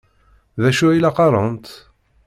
D acu ay la qqarent?